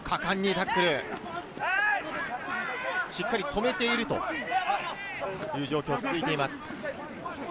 しっかり止めているという状況が続いています。